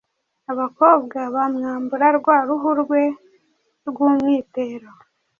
abakobwa bamwambura rwa ruhu rwe rw’umwitero,